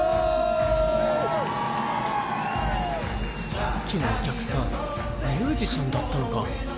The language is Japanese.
さっきのお客さんミュージシャンだったのか！